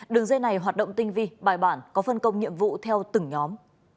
đường dây này hoạt động tinh vi bài bản có phân công nhiệm vụ theo từng nhóm